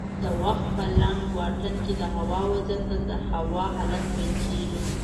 د وخت په لنډ واټن کې دهوا وضعیت ته د هوا حالت ویل کېږي